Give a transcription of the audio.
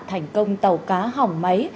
thành công tàu cá hỏng máy